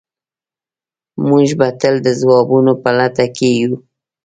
موږ به تل د ځوابونو په لټه کې یو.